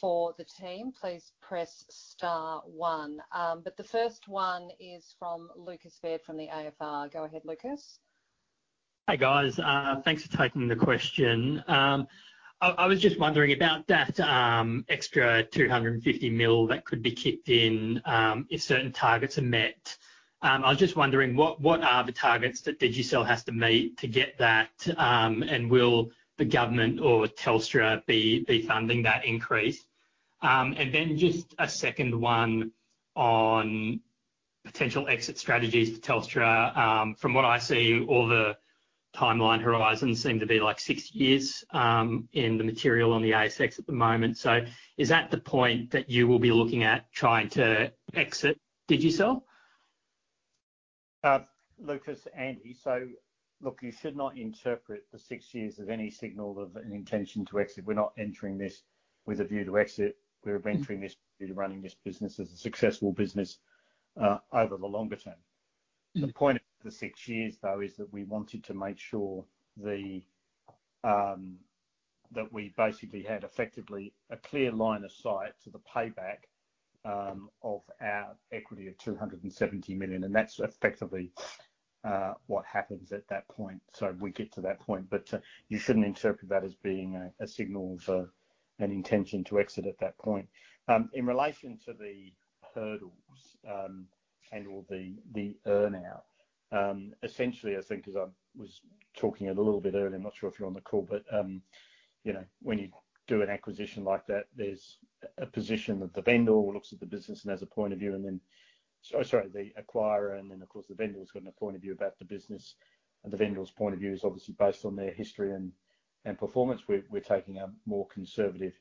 for the team, please press star one. But the first one is from Lucas Baird from the AFR. Go ahead, Lucas. Hi, guys. Thanks for taking the question. I was just wondering about that extra 250 million that could be kicked in if certain targets are met. I was just wondering, what are the targets that Digicel has to meet to get that? And will the government or Telstra be funding that increase? And then just a second one on potential exit strategies to Telstra. From what I see, all the timeline horizons seem to be like six years in the material on the ASX at the moment. So is that the point that you will be looking at trying to exit Digicel? Lucas, Andy. So look, you should not interpret the six years as any signal of an intention to exit. We're not entering this with a view to exit. We're entering this with running this business as a successful business over the longer term. The point of the six years, though, is that we wanted to make sure that we basically had effectively a clear line of sight to the payback of our equity of 270 million, and that's effectively what happens at that point. So we get to that point, but you shouldn't interpret that as being a signal for an intention to exit at that point. In relation to the hurdles, and/or the earn-out, essentially, I think as I was talking a little bit earlier, I'm not sure if you're on the call, but you know, when you do an acquisition like that, there's a position that the vendor looks at the business and has a point of view, and then, sorry, sorry, the acquirer, and then, of course, the vendor's got a point of view about the business. And the vendor's point of view is obviously based on their history and performance. We're taking a more conservative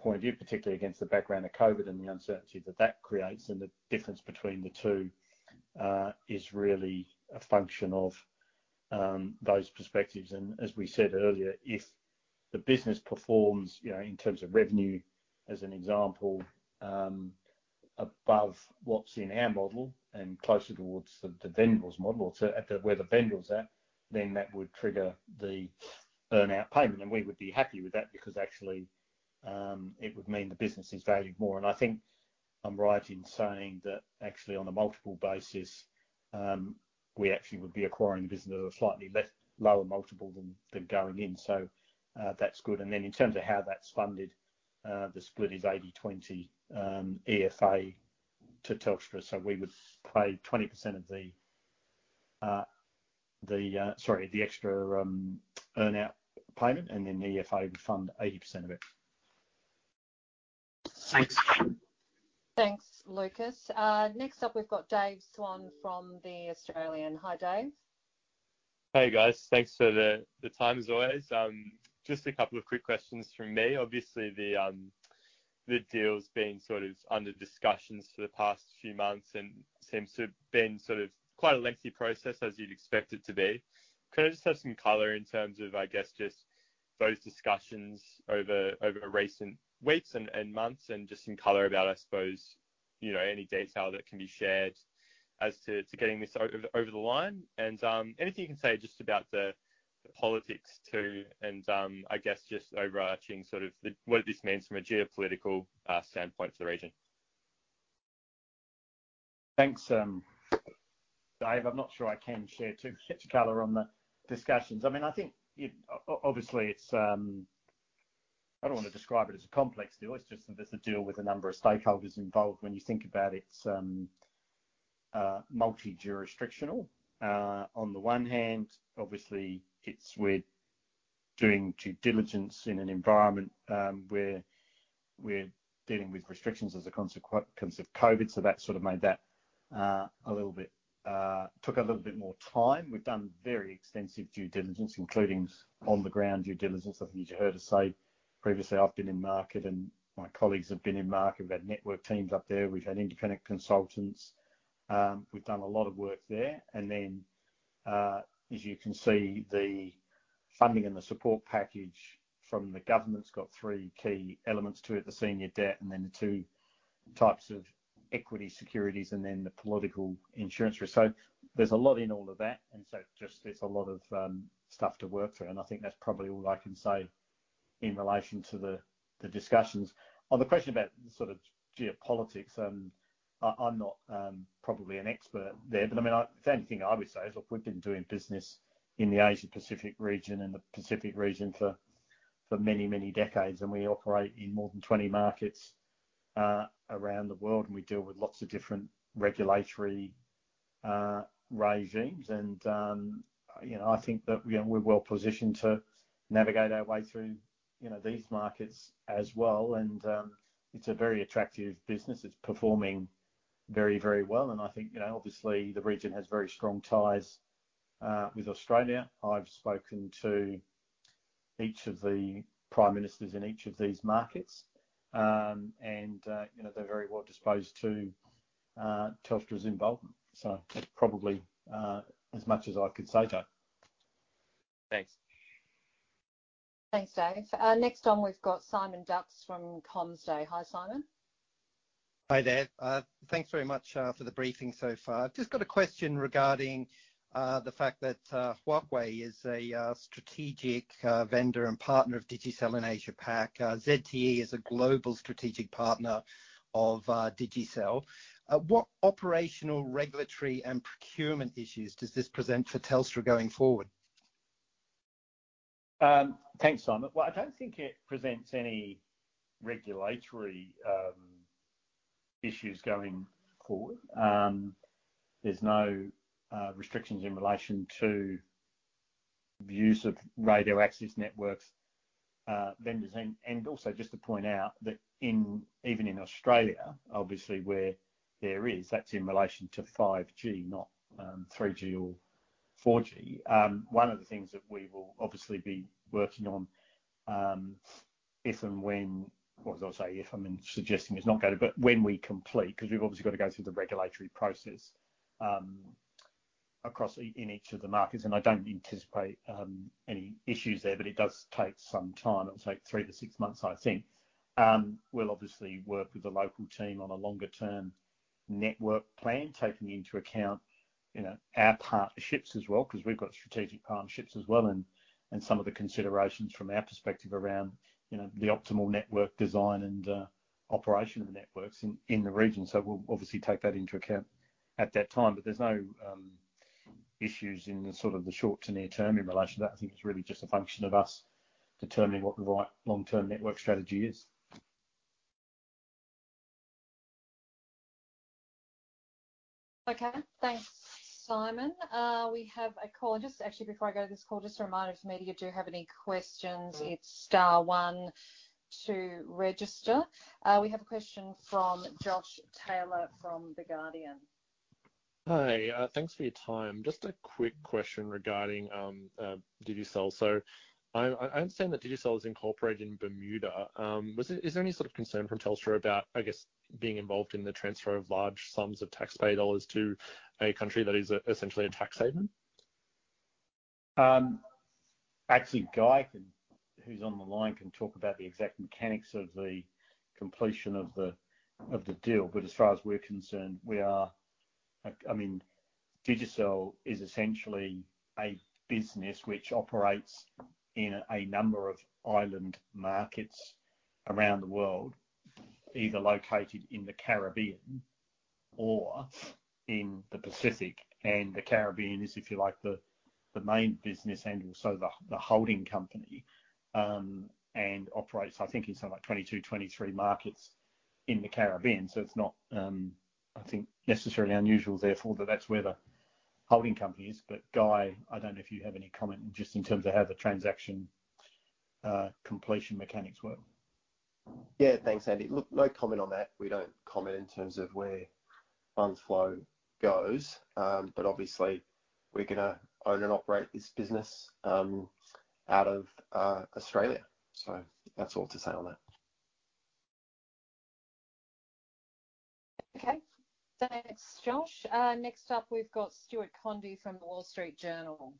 point of view, particularly against the background of COVID and the uncertainty that that creates, and the difference between the two is really a function of those perspectives. As we said earlier, if the business performs, you know, in terms of revenue, as an example, above what's in our model and closer towards the vendor's model, or at the where the vendor's at, then that would trigger the earn-out payment. And we would be happy with that because actually, it would mean the business is valued more. And I think I'm right in saying that actually, on a multiple basis, we actually would be acquiring the business at a slightly less, lower multiple than going in. So, that's good. And then in terms of how that's funded, the split is 80-20, EFA to Telstra. So we would pay 20% of the, sorry, the extra earn-out payment, and then the EFA would fund 80% of it. Thanks. Thanks, Lucas. Next up, we've got David Swan from The Australian. Hi, David. Hey, guys. Thanks for the time, as always. Just a couple of quick questions from me. Obviously, the deal's been sort of under discussions for the past few months and seems to have been sort of quite a lengthy process, as you'd expect it to be. Can I just have some color in terms of, I guess, just those discussions over recent weeks and months, and just some color about, I suppose, you know, any detail that can be shared as to getting this over the line? And anything you can say just about the politics, too, and I guess, just overarching sort of the what this means from a geopolitical standpoint for the region. Thanks, Dave. I'm not sure I can share too, share color on the discussions. I mean, I think it obviously, it's I don't wanna describe it as a complex deal. It's just that it's a deal with a number of stakeholders involved. When you think about it, it's multi-jurisdictional. On the one hand, o0bviously, it's we're doing due diligence in an environment where we're dealing with restrictions as a consequence of COVID, so that sort of made that a little bit took a little bit more time. We've done very extensive due diligence, including on-the-ground due diligence. I think you heard us say previously, I've been in market and my colleagues have been in market. We've had network teams up there, we've had independent consultants. We've done a lot of work there. As you can see, the funding and the support package from the government's got three key elements to it: the senior debt, and then the two types of equity securities, and then the political insurance risk. So there's a lot in all of that, and so just there's a lot of stuff to work through, and I think that's probably all I can say in relation to the discussions. On the question about sort of geopolitics, I'm not probably an expert there, but, I mean, if anything, I would say is, look, we've been doing business in the Asia Pacific region and the Pacific region for many, many decades, and we operate in more than 20 markets around the world, and we deal with lots of different regulatory regimes. You know, I think that, you know, we're well positioned to navigate our way through, you know, these markets as well. It's a very attractive business. It's performing very, very well, and I think, you know, obviously, the region has very strong ties with Australia. I've spoken to each of the prime ministers in each of these markets, and, you know, they're very well disposed to Telstra's involvement. That's probably as much as I could say, Dave. Thanks. Thanks, Dave. Next on, we've got Simon Dux from CommsDay. Hi, Simon. Hi there. Thanks very much for the briefing so far. Just got a question regarding the fact that Huawei is a strategic vendor and partner of Digicel in Asia-Pac. ZTE is a global strategic partner of Digicel. What operational, regulatory, and procurement issues does this present for Telstra going forward? Thanks, Simon. Well, I don't think it presents any regulatory issues going forward. There's no restrictions in relation to the use of radio access networks vendors. And also just to point out that even in Australia, obviously, where there is, that's in relation to 5G, not 3G or 4G. One of the things that we will obviously be working on, if and when, what was I say? If I'm suggesting it's not gonna, but when we complete, 'cause we've obviously got to go through the regulatory process, across in each of the markets, and I don't anticipate any issues there, but it does take some time. It'll take 3-6 months, I think. We'll obviously work with the local team on a longer term network plan, taking into account, you know, our partnerships as well, 'cause we've got strategic partnerships as well, and some of the considerations from our perspective around, you know, the optimal network design and operation of the networks in the region. So we'll obviously take that into account at that time. But there's no issues in the sort of the short to near term in relation to that. I think it's really just a function of us determining what the right long-term network strategy is. Okay. Thanks, Simon. We have a caller. Just actually before I go to this call, just a reminder, if any of you do have any questions, it's star one to register. We have a question from Josh Taylor from The Guardian. Hi, thanks for your time. Just a quick question regarding Digicel. So I understand that Digicel is incorporated in Bermuda. Was there, is there any sort of concern from Telstra about, I guess, being involved in the transfer of large sums of taxpayer dollars to a country that is essentially a tax haven? Actually, Guy can. Who's on the line can talk about the exact mechanics of the completion of the deal, but as far as we're concerned, I mean, Digicel is essentially a business which operates in a number of island markets around the world, either located in the Caribbean or in the Pacific. And the Caribbean is, if you like, the main business and also the holding company and operates, I think, in something like 22, 23 markets in the Caribbean. So it's not, I think, necessarily unusual, therefore, that that's where the holding company is. But, Guy, I don't know if you have any comment just in terms of how the transaction completion mechanics work. Yeah. Thanks, Andy. Look, no comment on that. We don't comment in terms of where funds flow goes. But obviously, we're gonna own and operate this business, out of, Australia. So that's all to say on that. Okay. Thanks, Josh. Next up, we've got Stuart Condie from The Wall Street Journal.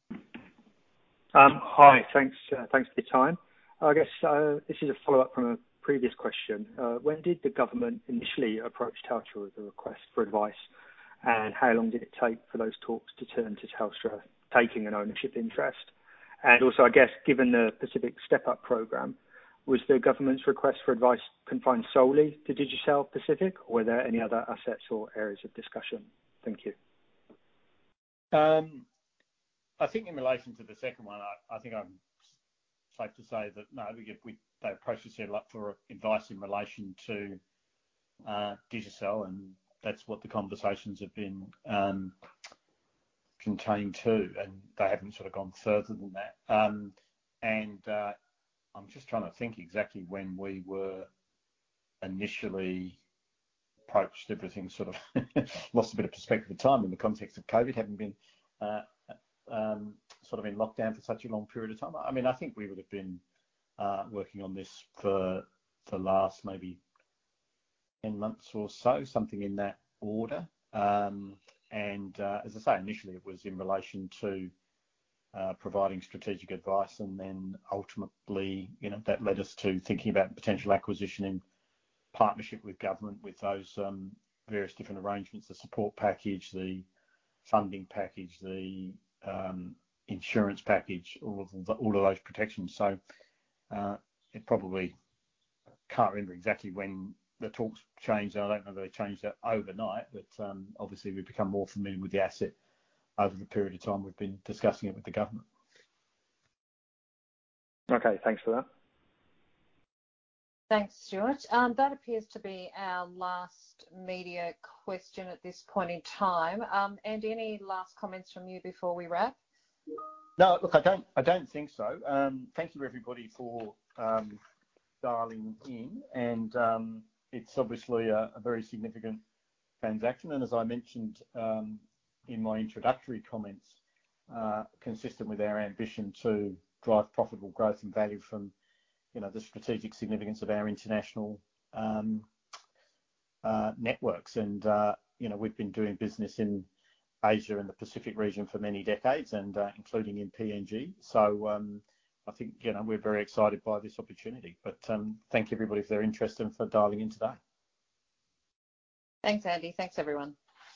Hi. Thanks, thanks for your time. I guess, this is a follow-up from a previous question. When did the government initially approach Telstra with the request for advice? And how long did it take for those talks to turn to Telstra taking an ownership interest? And also, I guess, given the Pacific Step-up program, was the government's request for advice confined solely to Digicel Pacific, or were there any other assets or areas of discussion? Thank you. I think in relation to the second one, I think I'm safe to say that, no, we get-- we, they approached us here for advice in relation to Digicel, and that's what the conversations have been contained to, and they haven't sort of gone further than that. And I'm just trying to think exactly when we were initially approached. Everything sort of lost a bit of perspective of time in the context of COVID, having been sort of in lockdown for such a long period of time. I mean, I think we would have been working on this for the last maybe 10 months or so, something in that order. And, as I say, initially, it was in relation to providing strategic advice, and then ultimately, you know, that led us to thinking about potential acquisition in partnership with government, with those various different arrangements: the support package, the funding package, the insurance package, all of the, all of those protections. It probably... Can't remember exactly when the talks changed. I don't know if they changed overnight, but obviously, we've become more familiar with the asset over the period of time we've been discussing it with the government. Okay, thanks for that. Thanks, Stuart. That appears to be our last media question at this point in time. Andy, any last comments from you before we wrap? No, look, I don't think so. Thank you, everybody, for dialing in. It's obviously a very significant transaction. And as I mentioned, in my introductory comments, consistent with our ambition to drive profitable growth and value from, you know, the strategic significance of our international networks. And, you know, we've been doing business in Asia and the Pacific region for many decades and, including in PNG. So, I think, you know, we're very excited by this opportunity. But, thank you, everybody, for their interest and for dialing in today. Thanks, Andy. Thanks, everyone.